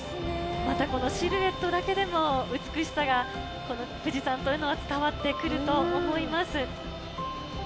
またこのシルエットだけでも美しさが、富士山というのは伝わってくると思います。